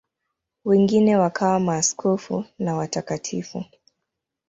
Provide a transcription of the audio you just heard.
Wengine wakawa maaskofu na watakatifu.